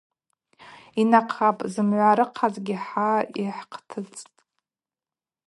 Йнахъапӏ, зымгӏва рыхъазгьи хӏа йхӏхътыцӏтӏ.